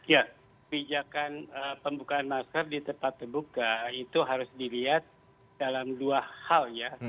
ya kebijakan pembukaan masker di tempat terbuka itu harus dilihat dalam dua hal ya